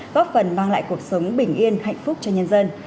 góp phần mang lại cuộc sống bình yên hạnh phúc cho nhân dân